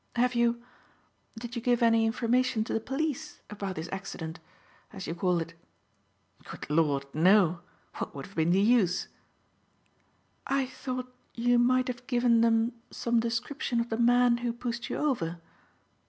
Have you did you give any information to the police about this accident, as you call it?" "Good Lord! No! What would have been the use?" "I thought you might have given them some description of the man who pushed you over."